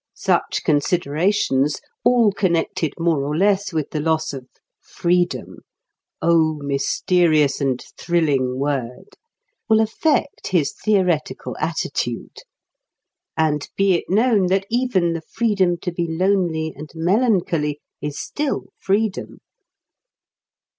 Such considerations, all connected more or less with the loss of "freedom" (oh, mysterious and thrilling word!), will affect his theoretical attitude. And be it known that even the freedom to be lonely and melancholy is still freedom.